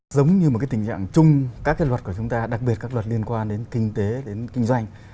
giống như một cái tình trạng chung các cái luật của chúng ta đặc biệt các luật liên quan đến kinh tế đến kinh doanh